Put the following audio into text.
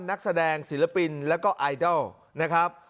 นักแสดงศิลปินแล้วก็ไอดอลนะครับ